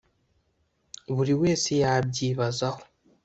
buri wese yabyibazaho